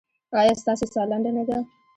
ایا ستاسو ساه لنډه نه ده؟